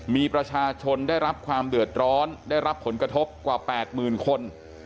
มีประชาชนได้รับความเดือดร้อนได้รับผลกระทบกว่า๘๐๐๐คน